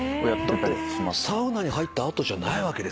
だってサウナに入った後じゃないわけですよね？